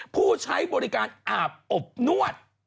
ผู้ใช้บริการอาบอบนวด